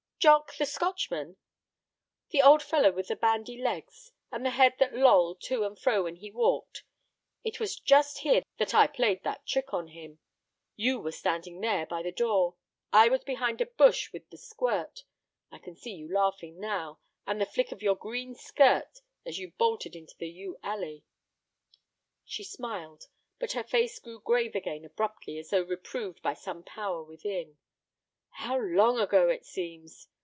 "Jock, the Scotchman?" "The old fellow with the bandy legs, and the head that lolled to and fro when he walked. It was just here I played that trick on him. You were standing there—by the door; I was behind a bush with the squirt. I can see you laughing now, and the flick of your green skirt as you bolted into the yew alley." She smiled, but her face grew grave again abruptly, as though reproved by some power within. "How long ago it seems!